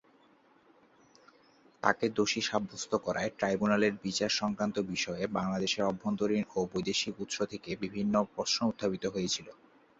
তাকে দোষী সাব্যস্ত করায় ট্রাইব্যুনালের বিচার সংক্রান্ত বিষয়ে বাংলাদেশের অভ্যন্তরীণ ও বৈদেশিক উৎস থেকে বিভিন্ন প্রশ্ন উত্থাপিত হয়েছিল।